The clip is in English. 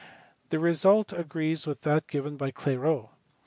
The result agrees with that given by Clairaut.